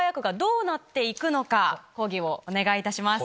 講義をお願いいたします。